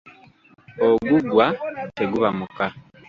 Oguggwa, teguba muka.